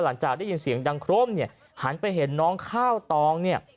หลังจากได้ยินเสียงดังโครมเนี่ยหันไปเห็นน้องข้าวตองเนี่ย